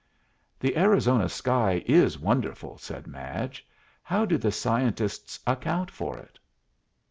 "The Arizona sky is wonderful," said Madge. "How do the scientists account for it?"